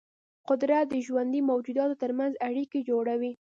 قدرت د ژوندي موجوداتو ترمنځ اړیکې جوړوي.